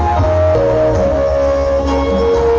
เพลง